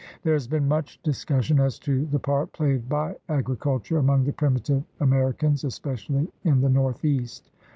There has been much discussion as to the part played by agriculture among the primitive Ameri cans, especially in the northeast.